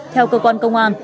theo cơ quan công an